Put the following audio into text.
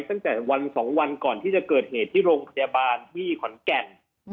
ตั้งแต่วัน๒วันก่อนที่จะเกิดเหตุที่โรงพยาบาลที่ขอนแก่น